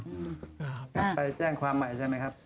ไปแจ้งความใหม่ใช่ไหมครับ